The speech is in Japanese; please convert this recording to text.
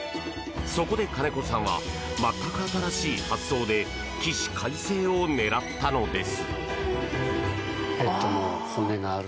そこで金子さんは全く新しい発想で起死回生を狙ったのです。